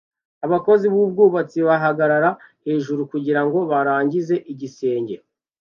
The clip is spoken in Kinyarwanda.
Abakozi b'ubwubatsi bahagarara hejuru kugirango barangize igisenge